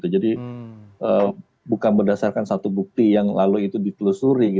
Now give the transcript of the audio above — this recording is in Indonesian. jadi bukan berdasarkan satu bukti yang lalu itu ditelusuri